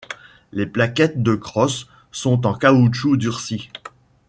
Les plaquettes de crosse sont en caoutchouc durci.